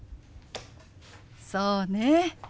そうね。